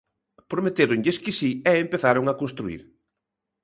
Prometéronlles que si e empezaron a construír.